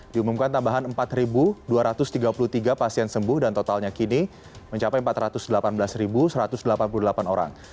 diumumkan tambahan empat dua ratus tiga puluh tiga pasien sembuh dan totalnya kini mencapai empat ratus delapan belas satu ratus delapan puluh delapan orang